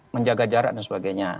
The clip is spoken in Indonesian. menjaga jarak dan sebagainya